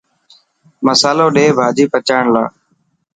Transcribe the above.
مصالو ڌي ڀاڄي پچائڻ لاءِ.